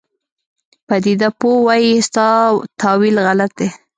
پدیده پوه وایي ستا تاویل غلط دی.